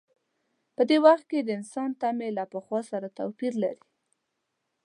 په دې وخت کې د انسان تمې له پخوا سره توپیر لري.